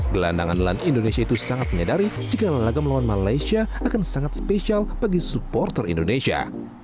gelandangan geland indonesia itu sangat menyadari jika lagam lawan malaysia akan sangat spesial bagi supporter indonesia